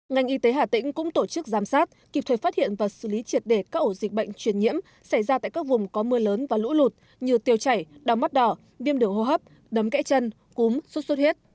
ngành y tế hà tĩnh cũng tổ chức giám sát kịp thời phát hiện và xử lý triệt để các ổ dịch bệnh truyền nhiễm xảy ra tại các vùng có mưa lớn và lũ lụt như tiêu chảy đau mắt đỏ viêm đường hô hấp đấm kẽ chân cúm sốt xuất huyết